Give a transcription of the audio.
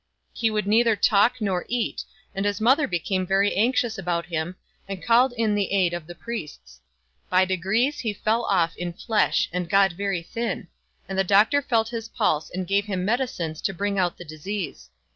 He would neither talk nor eat ; and his mother became very anxious about him, and called in the aid of the priests. 1 By degrees, he fell off in flesh and got very thin ; and the doctor felt his pulse and gave him medicines to bring out the disease.